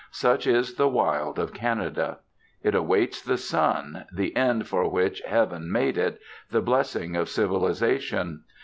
Such is the wild of Canada. It awaits the sun, the end for which Heaven made it, the blessing of civilisation.